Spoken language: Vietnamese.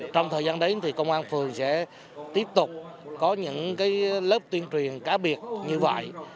trong thời gian đấy thì công an phường sẽ tiếp tục có những lớp tuyên truyền cá biệt như vậy